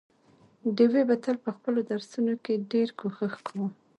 ډېوې به تل په خپلو درسونو کې ډېر کوښښ کاوه،